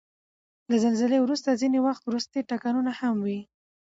له زلزلې وروسته ځینې وخت وروستی ټکانونه هم وي.